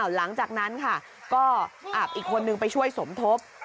หลังจากนั้นค่ะก็อับอีกคนนึงไปช่วยสมทบ